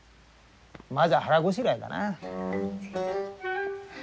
まずは腹ごしらえだな。